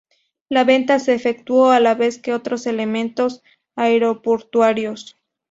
La venta se efectuó a la vez que otros elementos aeroportuarios.